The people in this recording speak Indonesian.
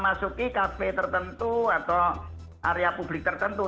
tidak bisa memasuki kafe tertentu atau area publik tertentu